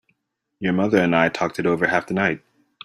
Your mother and I talked it over half the night.